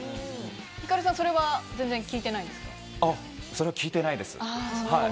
光さん、それは聞いてないん聞いてないんです。